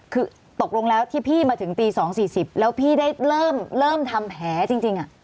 คือตกลงแล้วที่พี่มาถึงตี๒๔๐แล้วพี่ได้เริ่มทำแผลจริง